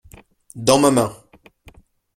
Dans ma main.